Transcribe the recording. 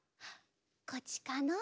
こっちかの？